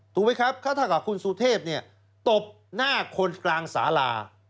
ถูกไหมครับถ้ากับคุณสุเทพเนี่ยตบหน้าคนกลางสาลา